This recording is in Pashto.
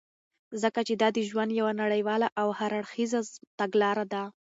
ځكه چې دادژوند يو نړيواله او هر اړخيزه تګلاره ده .